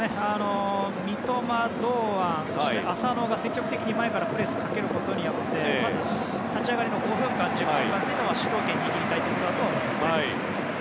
三笘、堂安そして浅野が積極的に前からプレスをかけることによりまず、立ち上がりの５分、１０分間の主導権を握りたいということだと思います。